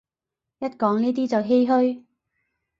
一講呢啲就唏噓